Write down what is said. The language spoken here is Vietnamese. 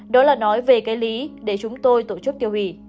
đó là nói về cái lý để chúng tôi tổ chức tiêu hủy